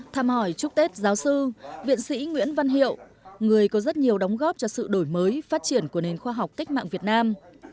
tham hỏi chúc tết giáo sư viện sĩ nguyễn văn hiệu người có rất nhiều đóng góp cho sự đổi mới phát triển của nền khoa học cách mạng việt nam